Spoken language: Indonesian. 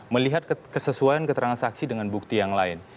melihat kesesuaian keterangan saksi dengan bukti yang lain